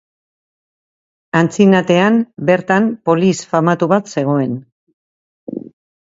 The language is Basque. Antzinatean bertan polis famatu bat zegoen.